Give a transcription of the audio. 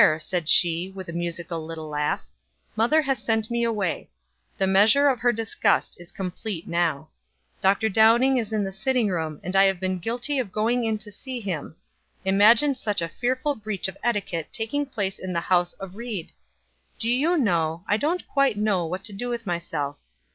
said she, with a musical little laugh, "mother has sent me away. The measure of her disgust is complete now. Dr. Downing is in the sitting room, and I have been guilty of going in to see him. Imagine such a fearful breach of etiquette taking place in the house of Ried! Do you know, I don't quite know what to do with myself.